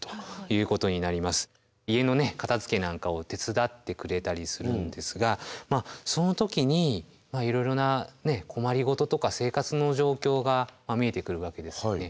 家の片づけなんかを手伝ってくれたりするんですがその時にいろいろな困り事とか生活の状況が見えてくるわけですよね。